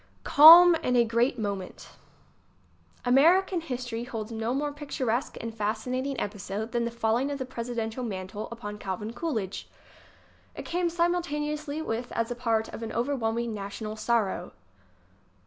Calm In a Great Moment American history holds no more picturesque and fascinating episode than the falling of the presiden tial mantle upon Calvin Coolidge. It came simultaneously with and as a part of an overwhelming national sorrow.